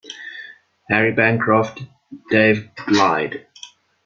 Harry Bancroft, Dave lied.